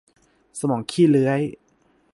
สมองขี้เลื้อย